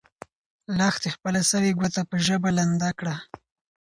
لښتې خپله سوې ګوته په ژبه لنده کړه.